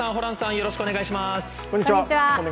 よろしくお願いします。